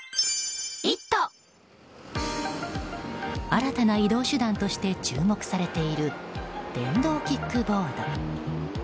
新たな移動手段として注目されている電動キックボード。